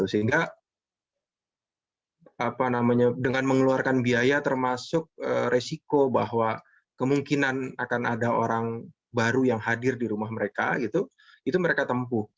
sehingga dengan mengeluarkan biaya termasuk resiko bahwa kemungkinan akan ada orang baru yang hadir di rumah mereka itu mereka tempuh